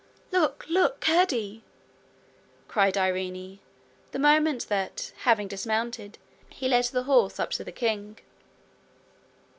'Look, look, Curdie!' cried Irene, the moment that, having dismounted, he led the horse up to the king.